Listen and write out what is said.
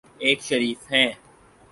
ایک شریف ہیں۔